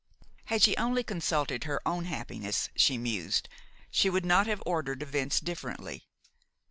Had she only consulted her own happiness, she mused, she would not have ordered events differently.